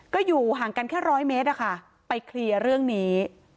ก็อยู่ห่างกันแค่ร้อยเมตรนะคะไปเคลียร์เรื่องนี้